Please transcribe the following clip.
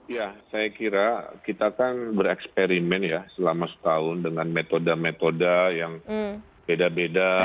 ya saya kira kita kan bereksperimen ya selama setahun dengan metode metode yang beda beda